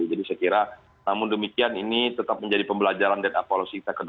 jadi saya kira namun demikian ini tetap menjadi pembelajaran dan apolosi kita ke depan